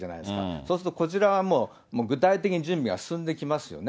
そうするとこちらはもう、具体的に準備が進んできますよね。